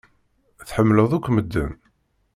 Tḥemmleḍ akk medden.